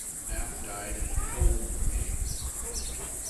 Knapp died in Poland, Maine.